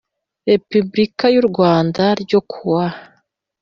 Repubulika y u rwanda ryo kuwa